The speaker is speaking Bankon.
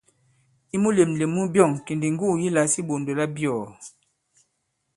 I mulèmlèm mu byɔ̑ŋ kì ndi ŋgugù yi lǎs i iɓɔ̀ndò labyɔ̀ɔ̀.